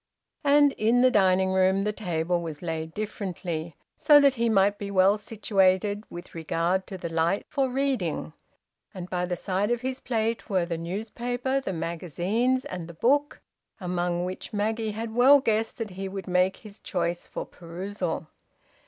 And in the dining room the table was laid differently, so that he might be well situated, with regard to the light, for reading. And by the side of his plate were the newspaper, the magazines, and the book, among which Maggie had well guessed that he would make his choice for perusal.